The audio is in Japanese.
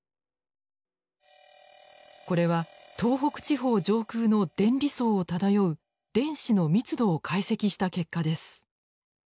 これは東北地方上空の電離層を漂う電子の密度を解析した結果です。